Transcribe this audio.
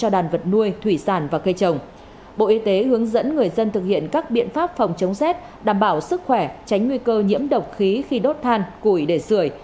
dẫn người dân thực hiện các biện pháp phòng chống xét đảm bảo sức khỏe tránh nguy cơ nhiễm độc khí khi đốt than củi đề sửa